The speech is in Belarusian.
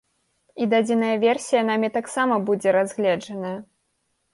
І дадзеная версія намі таксама будзе разгледжаная.